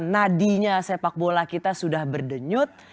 nadinya sepak bola kita sudah berdenyut